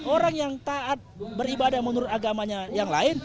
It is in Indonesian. orang yang taat beribadah menurut agamanya yang lain